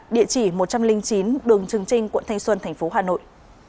địa chỉ một trăm linh chín đường trường trinh quận thanh xuân thành phố hà nội